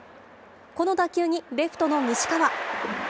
この打球に、レフトの西川。